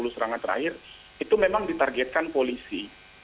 sepuluh serangan terakhir itu memang ditargetkan polisi